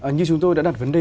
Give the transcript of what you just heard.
như chúng tôi đã đặt vấn đề